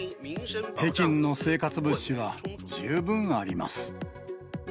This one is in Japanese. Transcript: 北京の生活物資は十分あります。